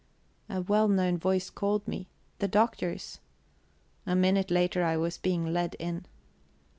A well known voice called me the Doctor's. A minute later I was being led in.